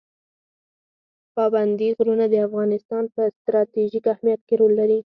پابندي غرونه د افغانستان په ستراتیژیک اهمیت کې رول لري.